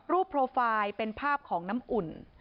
โปรไฟล์เป็นภาพของน้ำอุ่น